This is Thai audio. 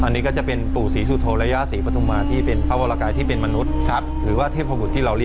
อันนี้ก็จะเป็นปู่ศรีสุโธและย่าศรีปฐุมะ